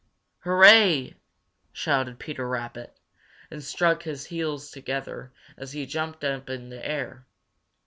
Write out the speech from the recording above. "Hurrah!" shouted Peter Rabbit and struck his heels together as he jumped up in the air.